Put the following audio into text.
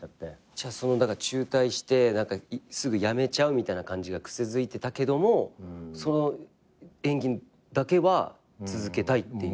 じゃあ中退してすぐ辞めちゃうみたいな感じが癖づいてたけども演技だけは続けたいっていう。